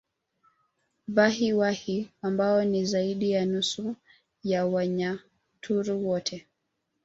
Vahi Wahi ambao ni zaidi ya nusu ya Wanyaturu wote